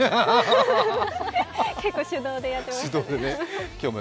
結構、手動でやってました。